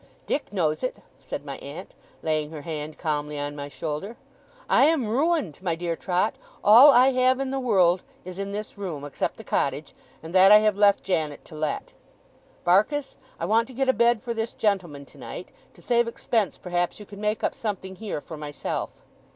'Dick knows it,' said my aunt, laying her hand calmly on my shoulder. 'I am ruined, my dear Trot! All I have in the world is in this room, except the cottage; and that I have left Janet to let. Barkis, I want to get a bed for this gentleman tonight. To save expense, perhaps you can make up something here for myself.